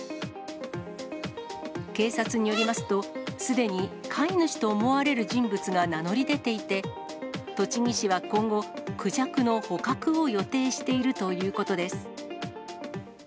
警察によりますと、すでに飼い主と思われる人物が名乗り出ていて、栃木市は今後、クジャクの捕獲を予定しているということです。